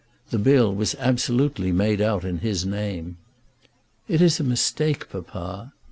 The bill was absolutely made out in his name. "It is a mistake, papa."